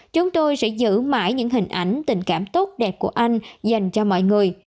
chúng tôi sẽ giữ mãi những hình ảnh tình cảm tốt đẹp của anh dành cho mọi người